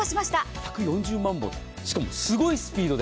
１４０万本しかもすごいスピードで。